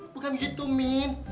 bukan gitu min